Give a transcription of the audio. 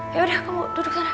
yaudah kamu duduk sana